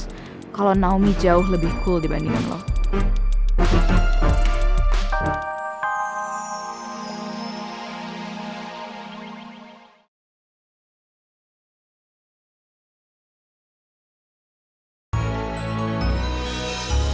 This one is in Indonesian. gue bakal ngumumin ke semua anak anak di kampus